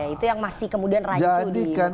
itu yang masih kemudian rancu di muka publik